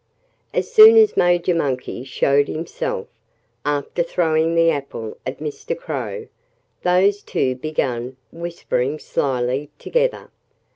As soon as Major Monkey showed himself, after throwing the apple at Mr. Crow, those two began whispering slyly together.